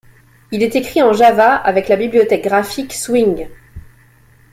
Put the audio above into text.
Il est écrit en Java avec la bibliothèque graphique Swing.